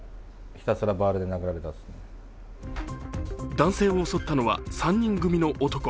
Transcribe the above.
男性を襲ったのは３人組の男。